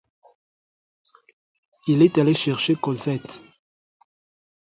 Il est allé chercher Cosette!